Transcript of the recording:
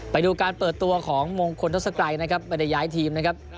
ไปดูการเปิดตัวของมงคลทศกรัยนะครับไม่ได้ย้ายทีมนะครับ